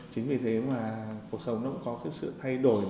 chính vì thế mà cuộc sống nó cũng có cái sự thay đổi